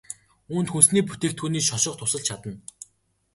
Үүнд хүнсний бүтээгдэхүүний шошго тусалж чадна.